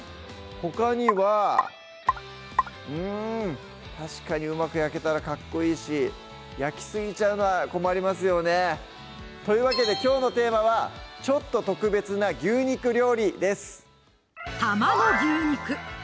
ほかにはうん確かにうまく焼けたらかっこいいし焼きすぎちゃうのは困りますよねというわけできょうのテーマは「ちょっと特別な牛肉料理」です